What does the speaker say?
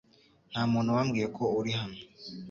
Nta muntu wambwiye ko uri hano .